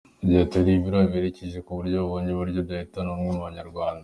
Yagize ati “ Hari ibirura birekereje ku buryo bibonye uburyo byahitana ubumwe bw’Abanyarwanda.